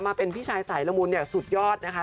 มาเป็นพี่ชายสายละมุนเนี่ยสุดยอดนะคะ